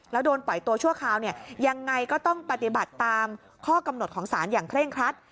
แล้วโดนปล่อยตัวชั่วคราวเนี่ยยังไงก็ต้องปฏิบัติตามข้อกำหนดของสารอย่างเคร่งครัด